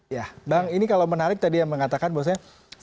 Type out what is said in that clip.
ya bang ini kalau menarik tadi yang mengatakan bahwasanya